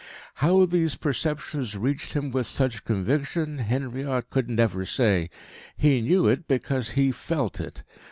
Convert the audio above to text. How these perceptions reached him with such conviction, Henriot could never say. He knew it, because he felt it.